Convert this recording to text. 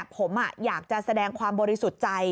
ผมอยากจะแสดงความบริสุทธิ์ใจ